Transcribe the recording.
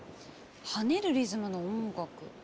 跳ねるリズムの音楽。